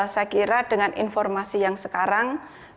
saya kira dengan informasi yang sekarang